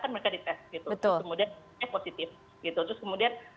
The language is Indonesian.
kan mereka di tes gitu betul kemudian